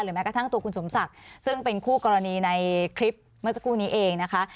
แม้กระทั่งตัวคุณสมศักดิ์ซึ่งเป็นคู่กรณีในคลิปเมื่อสักครู่นี้เองนะคะ